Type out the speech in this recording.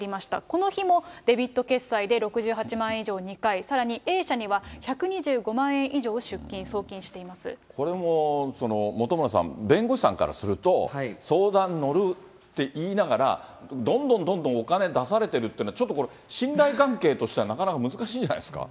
この日も、デビット決済で６８万円以上２回、さらにＡ社には１２５万円以上を出金、これも、本村さん、弁護士さんからすると、相談乗るって言いながら、どんどんどんどんお金出されてるというのは、ちょっとこれ、信頼関係としてはなかなか難しいんじゃないですか。